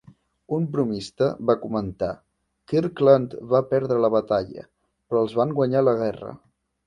Un bromista va comentar: "Kirkland va perdre la batalla però els van guanyar la guerra".